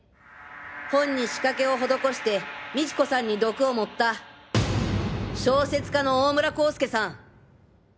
本に仕掛けを施して美知子さんに毒を盛った小説家の大村光輔さん！